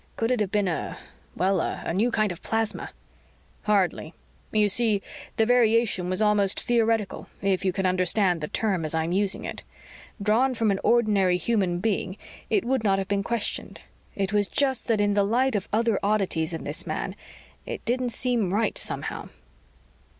"Could it have been a well, a new kind of plasma?" "Hardly. You see, the variation was almost theoretical, if you can understand the term as I'm using it. Drawn from an ordinary human being, it would not have been questioned. It was just that in the light of other oddities in his man, it didn't seem right, somehow."